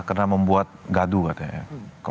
karena membuat gaduh katanya ya